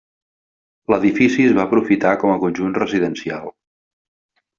L'edifici es va aprofitar com a conjunt residencial.